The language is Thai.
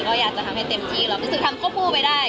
ก็อยากจะทำให้เต็มที่เรารู้สึกทำควบคู่ไปได้